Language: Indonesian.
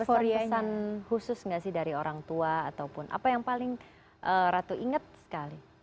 ada pesan khusus nggak sih dari orang tua ataupun apa yang paling ratu ingat sekali